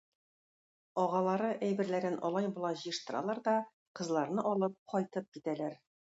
Агалары әйберләрен алай-болай җыештыралар да кызларны алып кайтып китәләр.